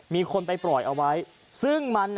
มีคนไปปล่อยเอาไว้ซึ่งมัน